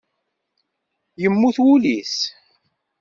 Yemmut wul-is.